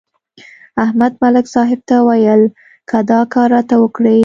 احمد ملک صاحب ته ویل: که دا کار راته وکړې.